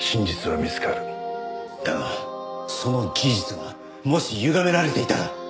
だがその事実がもしゆがめられていたら。